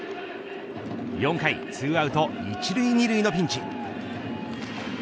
４回２アウト１塁２塁のピンチ。